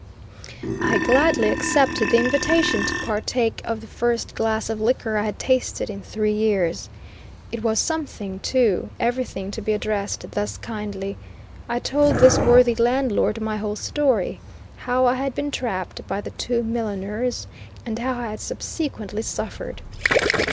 I gladly accepted the invitation to partake of the first glass of liquor I had tasted in three years. It was something, too, everything to be addressed thus kindly. I told this worthy landlord my whole story; how I had been trapped by the two milliners, and how I had subsequently suffered.